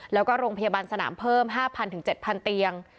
แล้วก็โรงพยาบาลสนามเพิ่ม๕๐๐๗๐๐เตียง